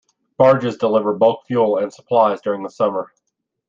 Barges deliver bulk fuel and supplies during the summer.